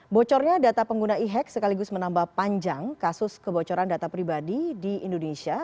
bocornya data pengguna e hack sekaligus menambah panjang kasus kebocoran data pribadi di indonesia